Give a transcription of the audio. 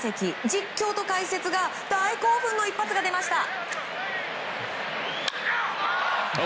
実況と解説が大興奮の一発が出ました。